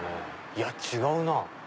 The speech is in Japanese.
いや違うなぁ。